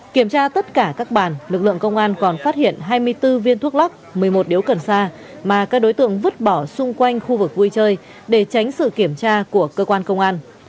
trong khi đó các bản lực lượng công an còn phát hiện hai mươi bốn viên thuốc lóc một mươi một điếu cần sa mà các đối tượng vứt bỏ xung quanh khu vực vui chơi để tránh sự kiểm tra của cơ quan công an